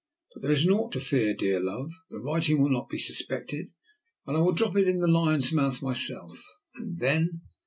"But there is nought to fear, dear love. The writing will not be suspected, and I will drop it in the Lion's Mouth myself, and then?"